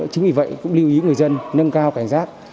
chính vì vậy cũng lưu ý người dân nâng cao cảnh giác